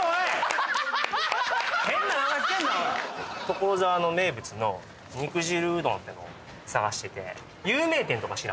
所沢の名物の肉汁うどんっていうのを探してて有名店？